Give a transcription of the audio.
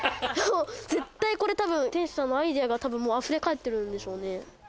絶対これたぶん店主さんのアイデアがあふれかえってるんでしょうね